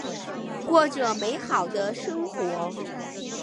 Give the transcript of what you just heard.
过着美好的生活。